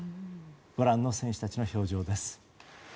ご覧の選手たちの表情です。